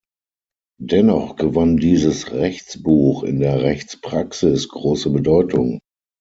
Dennoch gewann dieses Rechtsbuch in der Rechtspraxis große Bedeutung.